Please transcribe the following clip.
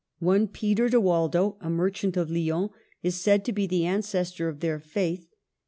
One Peter de Waldo, a merchant of Lyons, is said to be the ancestor of their faith.